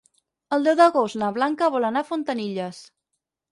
El deu d'agost na Blanca vol anar a Fontanilles.